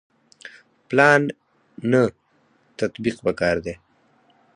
پلان نه تطبیق پکار دی